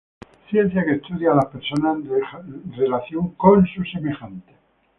Ciencia que estudia a las personas en relación con sus semejantes.